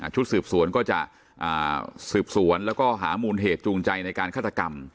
ชุดสืบสวนก็จะสืบสวนแล้วก็หามูลเหตุจูงใจในการฆาตกรรม